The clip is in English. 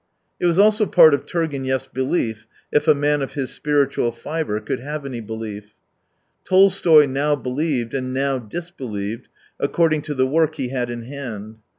It was also part of Turgenev's belief — if a man of his spiritual fibre could have any belief. Tolstoy now believed, and now disbelieved, according to the work he had in hand.